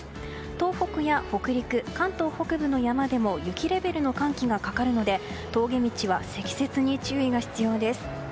東北や北陸、関東北部の山でも雪レベルの寒気がかかるので峠道は積雪に注意が必要です。